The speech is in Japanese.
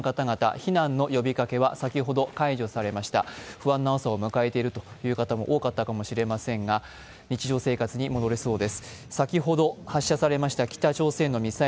不安な朝を迎えている方も多かったと思いますが日常生活に戻れそうです。